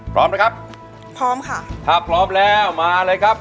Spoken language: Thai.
พร้อมนะครับพร้อมค่ะถ้าพร้อมแล้วมาเลยครับ